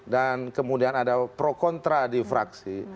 dan kemudian ada pro kontra di fraksi